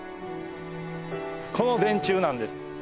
この電柱なんです。